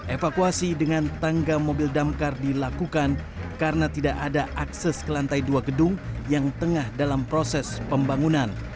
evakuasi dengan tangga mobil damkar dilakukan karena tidak ada akses ke lantai dua gedung yang tengah dalam proses pembangunan